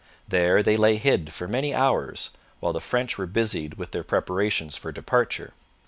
There they lay hid for many hours, while the French were busied with their preparations for departure.